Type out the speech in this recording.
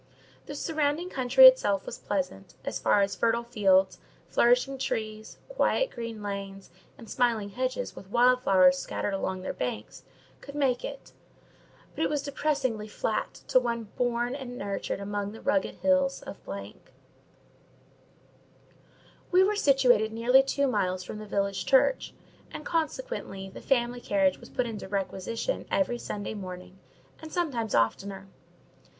The surrounding country itself was pleasant, as far as fertile fields, flourishing trees, quiet green lanes, and smiling hedges with wild flowers scattered along their banks, could make it; but it was depressingly flat to one born and nurtured among the rugged hills of ——. We were situated nearly two miles from the village church, and, consequently, the family carriage was put in requisition every Sunday morning, and sometimes oftener.